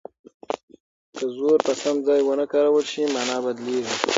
که زور په سم ځای ونه کارول شي مانا بدلیږي.